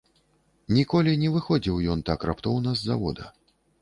Ніколі не выходзіў ён так раптоўна з завода.